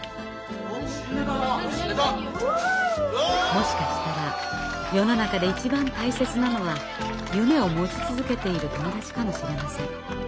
もしかしたら世の中で一番大切なのは夢を持ち続けている友達かもしれません。